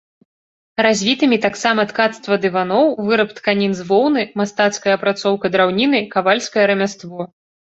Развітымі таксама ткацтва дываноў, выраб тканін з воўны, мастацкая апрацоўка драўніны, кавальскае рамяство.